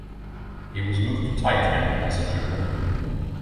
He was moved to tight end as a junior.